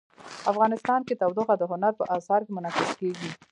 افغانستان کې تودوخه د هنر په اثار کې منعکس کېږي.